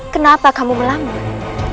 kenapa kamu melanggung